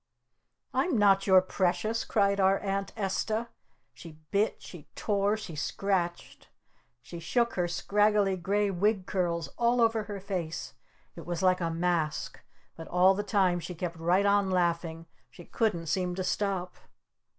"I'm not your Precious!" cried our Aunt Esta. She bit! She tore! She scratched! She shook her scraggly gray wig curls all over her face! It was like a mask! But all the time she kept right on laughing! She couldn't seem to stop!